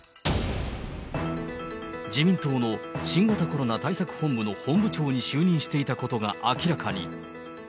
自民党の新型コロナ対策本部の本部長に就任していたことが明らかに。